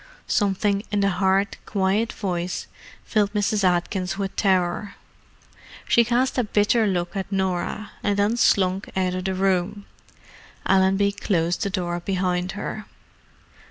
Something in the hard, quiet voice filled Mrs. Atkins with terror. She cast a bitter look at Norah, and then slunk out of the room. Allenby closed the door behind her.